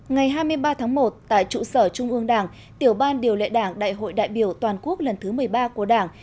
ngày hai mươi ba tháng một tại trụ sở trung ương đảng tiểu ban điều lệ đảng đại hội đại biểu toàn quốc lần thứ một mươi ba của đảng